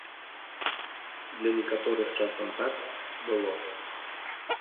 Для некаторых часам так, было.